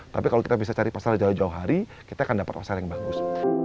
tapi kalau kita bisa cari pasar jauh jauh hari kita akan dapat pasar yang bagus